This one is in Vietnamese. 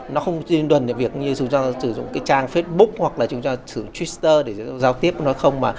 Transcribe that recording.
gần như việc chúng ta sử dụng trang facebook hoặc là chúng ta sử dụng twitter để giao tiếp nó không